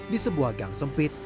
di sebuah gang sempit